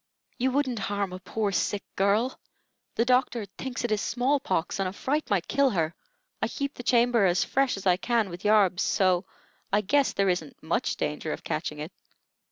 You wouldn't harm a poor, sick girl. The doctor thinks it is small pox, and a fright might kill her. I keep the chamber as fresh as I can with yarbs, so I guess there isn't much danger of catching it."